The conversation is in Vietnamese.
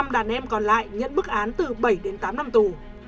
năm đàn em còn lại nhận bức án từ bảy đến tám năm tù